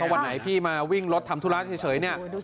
วันไหนพี่มาวิ่งรถทำธุระเฉยเนี่ย